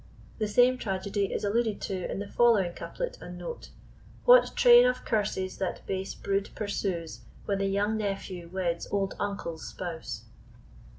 The same tragedy is alluded to in the following couplet and note: What train of curses that base brood pursues, When the young nephew weds old uncle's spouse.